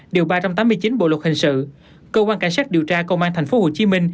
điều ba trăm tám mươi chín bộ luật hình sự cơ quan cảnh sát điều tra công an tp hcm